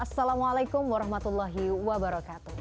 assalamualaikum warahmatullahi wabarakatuh